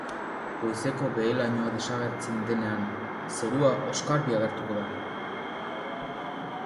Goizeko behe-lainoa desagertzen denean, zerua oskarbi agertuko da.